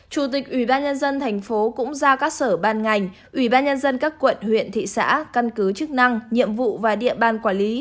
chủ tịch ủy ban nhân dân thành phố cũng giao các sở ban ngành ủy ban nhân dân các quận huyện thị xã căn cứ chức năng nhiệm vụ và địa bàn quản lý